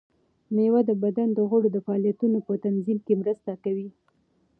مېوې د بدن د غړو د فعالیتونو په تنظیم کې مرسته کوي.